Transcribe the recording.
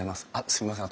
すみません